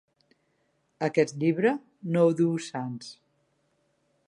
Aquest llibre no duu sants.